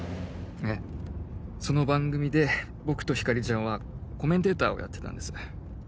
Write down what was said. ええその番組で僕と光莉ちゃんはコメンテーターをやってたんです。